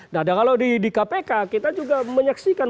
nah kalau di kpk kita juga menyaksikan